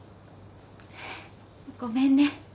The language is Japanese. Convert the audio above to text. ごめんね。